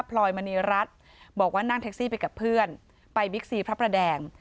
พลอยมณีรัฐบอกว่านั่งแท็กซี่ไปกับเพื่อนไปบิ๊กซีพระประแดง